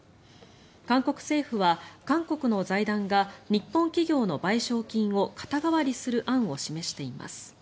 韓国政府は韓国の財団が日本企業の賠償金を肩代わりする案を示しています。